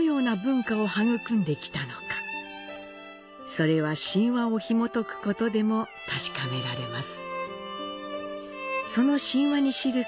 それは神話をひもとくことでも確かめられます。